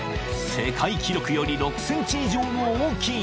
［世界記録より６ｃｍ以上も大きい］